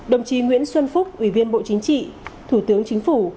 đồng chí nguyễn xuân phúc ủy viên bộ chính trị thủ tướng chính phủ